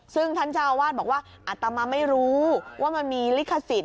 ซึ่งท่านเจ้าอาวาสบอกว่าอัตมาไม่รู้ว่ามันมีลิขสิทธิ